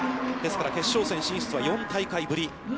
ですから、決勝戦進出は４大会ぶり。